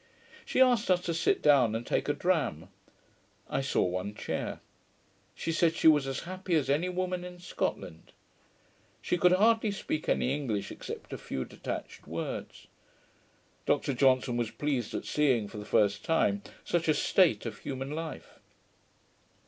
She asked us to sit down and take a dram. I saw one chair. She said she was as happy as any woman in Scotland. She could hardly speak any English except a few detached words. Dr Johnson was pleased at seeing, for the first time, such a state of human life.